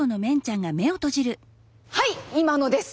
はい今のです！